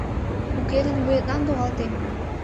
Уке гын вуетлан логалтем.